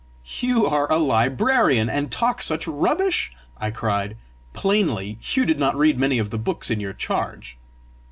"You a librarian, and talk such rubbish!" I cried. "Plainly, you did not read many of the books in your charge!"